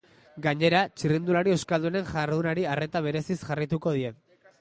Gainera, txirrindulari euskaldunen jardunari arreta bereziz jarraituko die.